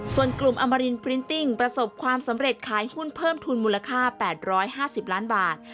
ส่วนกลุ่มอมรินปรินติ้งประสบความสำเร็จขายหุ้นเพิ่มทุนมูลค่า๘๕๐ล้านบาท